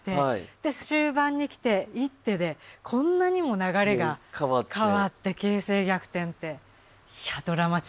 で終盤に来て一手でこんなにも流れが変わって形勢逆転っていやドラマチックですね。